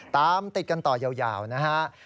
ตามติดกันต่อยาวนะฮะ